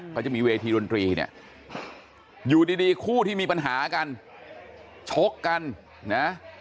เขาจะมีเวทีดนตรีเนี่ยอยู่ดีคู่ที่มีปัญหากันชกกันนะ